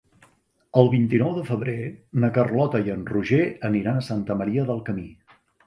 El vint-i-nou de febrer na Carlota i en Roger aniran a Santa Maria del Camí.